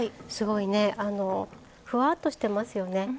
すごいねふわっとしてますよね。